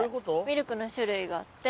ルクの種類があって。